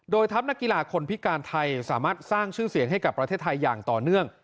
โดยทัพนักกีฬาคนพิการไทยสามารถสร้างชื่อเสียงให้กับประเทศไทยอย่างต่อเนื่อง